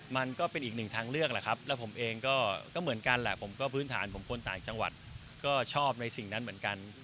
มันก็เป็นอีกหนึ่งทางเลือกแหละครับแล้วผมเองก็เหมือนกันแหละผมก็พื้นฐานผมคนต่างจังหวัดก็ชอบในสิ่งนั้นเหมือนกัน